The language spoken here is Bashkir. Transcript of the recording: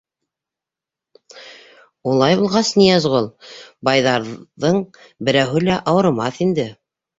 — Улай булғас, Ныязғол байҙарҙың берәүһе лә ауырымаҫ инде.